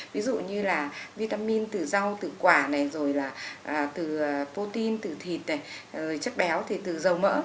ví dụ như là vitamin từ rau từ quả từ protein từ thịt chất béo từ dầu mỡ